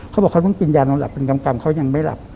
เขาบอกว่าเขาต้องกินยานวงหลับเป็นกรรมกรรมเขายังไม่หลับ